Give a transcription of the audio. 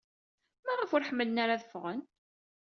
Maɣef ur ḥemmlen ara ad ffɣen?